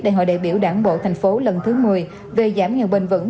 đại hội đại biểu đảng bộ thành phố lần thứ một mươi về giảm nghèo bền vững